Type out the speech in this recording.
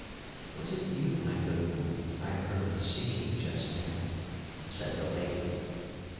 "Was it you, my good woman, I heard singing just now?" said the lady.